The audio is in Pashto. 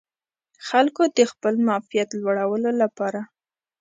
خلکو د خپل معافیت لوړولو لپاره